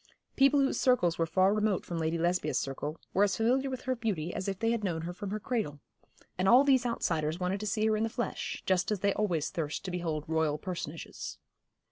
People whose circles were far remote from Lady Lesbia's circle, were as familiar with her beauty as if they had known her from her cradle. And all these outsiders wanted to see her in the flesh, just as they always thirst to behold Royal personages.